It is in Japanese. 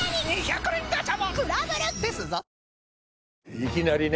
いきなりね。